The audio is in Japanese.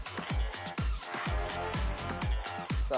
さあ